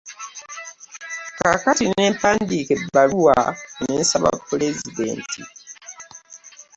Kaakati ne mpandiika ebbaluwa, ne nsaba pulezidenti.